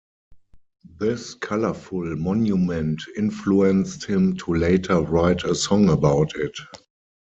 This colorful monument influenced him to later write a song about it.